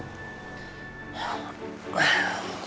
aku tiduran dulu ya